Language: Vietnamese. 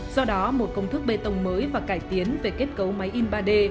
do đó một công thức bê tông mới và cải tiến về kết cấu máy in ba d